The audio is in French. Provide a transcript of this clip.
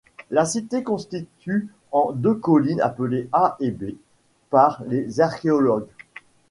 La cité consiste en deux collines appelées A et B par les archéologues.